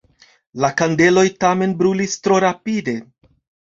La kandeloj tamen brulis tro rapide.